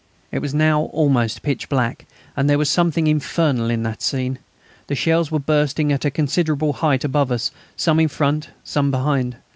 It was now almost pitch dark, and there was something infernal in the scene. The shells were bursting at a considerable height above us, some in front, some behind.